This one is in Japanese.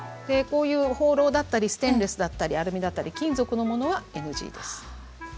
こういうホーローだったりステンレスだったりアルミだったり金属のものはＮＧです。